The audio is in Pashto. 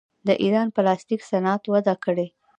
د ایران پلاستیک صنعت وده کړې.